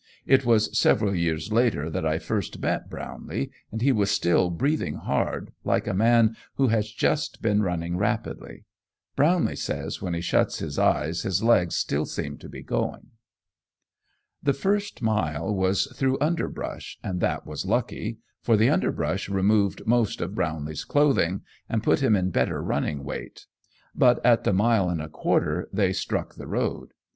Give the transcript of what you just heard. It was several years later that I first met Brownlee, and he was still breathing hard, like a man who has just been running rapidly. Brownlee says when he shuts his eyes his legs still seem to be going. The first mile was through underbrush, and that was lucky, for the underbrush removed most of Brownlee's clothing, and put him in better running weight, but at the mile and a quarter they struck the road.